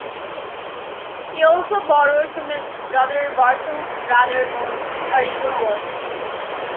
He also borrowed from his brother Barthel's rather more original works.